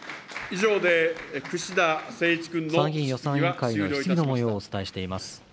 参議院予算委員会質疑のもようをお伝えしています。